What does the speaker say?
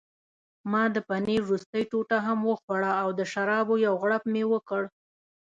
ما د پنیر وروستۍ ټوټه هم وخوړه او د شرابو یو غوړپ مې وکړ.